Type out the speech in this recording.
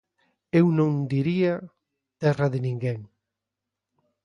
Eu non diría terra de ninguén.